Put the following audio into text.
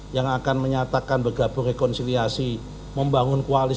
yang akan menyatakan bergabung rekonsiliasi membangun koalisi